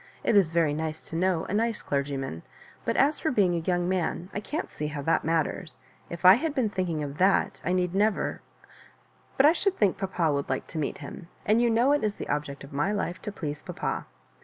It is very nice to know a nice clergyman; but as for being a young man, I can't see how that matters. If I had be^ thinking of ffuU^ I need never— but I should think papa would like to meet him ; and you know it is the object of my life to please papa."